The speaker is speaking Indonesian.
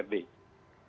terima kasih pak